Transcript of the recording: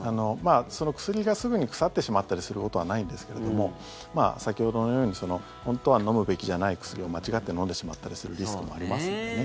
その薬がすぐに腐ってしまったりすることはないんですけども先ほどのように本当は飲むべきじゃない薬を間違って飲んでしまったりするリスクもありますのでね。